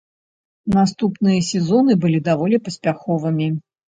Наступныя сезоны былі даволі паспяховымі.